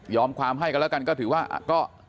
ความให้กันแล้วกันก็ถือว่าก็